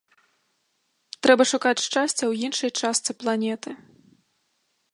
Трэба шукаць шчасця ў іншай частцы планеты.